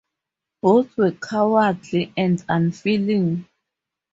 Both were "cowardly and unfeeling".